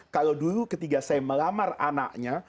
kalau dulu ketika saya melamar anaknya